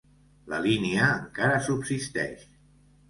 La línia encara subsisteix.